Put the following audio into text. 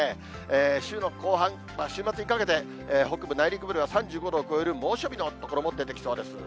週の後半、週末にかけて北部、内陸部では３５度を超える猛暑日の所も出てきそうです。